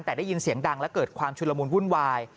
แต่ได้ยินเสียงดังและเกิดความชุดละมุนวุ่นวาย